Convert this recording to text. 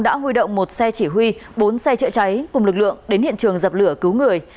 đã huy động một xe chỉ huy bốn xe chữa cháy cùng lực lượng đến hiện trường dập lửa cứu người